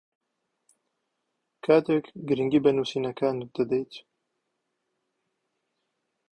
کاتێک گرنگی بە نووسینەکانت دەدەیت